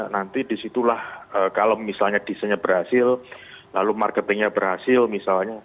nanti disitulah kalau misalnya desainnya berhasil lalu marketingnya berhasil misalnya